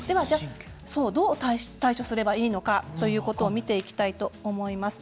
どう対処すればいいのかということを見ていきたいと思います。